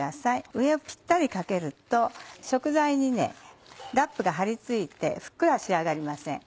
上をピッタリかけると食材にラップが張り付いてふっくら仕上がりません。